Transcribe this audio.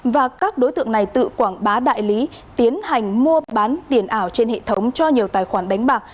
và các đối tượng này tự quảng bá đại lý tiến hành mua bán tiền ảo trên hệ thống cho nhiều tài khoản đánh bạc